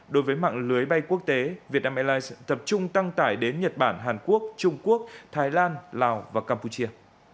đối với mạng lưới bay quốc tế vietnam airlines tập trung tăng tải đến nhật bản hàn quốc trung quốc thái lan lào và campuchia